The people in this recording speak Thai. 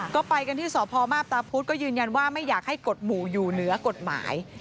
ก็ไปกันที่สพมาพตาพุธก็ยืนยันว่าไม่อยากให้กฎหมู่อยู่เหนือกฎหมาย